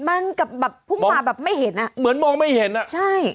มันกับแบบพุ่งมาแบบไม่เห็นอ่ะเหมือนมองไม่เห็นอ่ะใช่